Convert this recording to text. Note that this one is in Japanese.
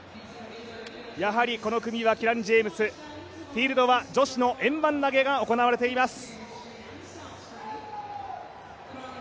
やはりこの組はキラニ・ジェームスフィールドは女子の円盤投が行われています。